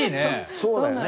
そうだよね。